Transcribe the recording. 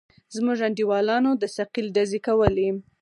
زموږ انډيوالانو د ثقيل ډزې کولې.